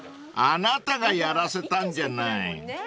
［あなたがやらせたんじゃない］